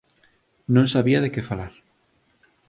Non sabía de que falar.